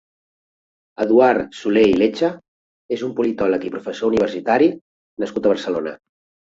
Eduard Soler i Lecha és un politòleg i professor universitari nascut a Barcelona.